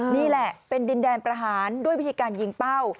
นี่แหละเป็นดินแดนประหารด้วยวิธีการยิงเป้า